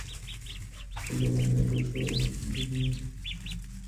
Su eslogan es en ruso: "Всем привет.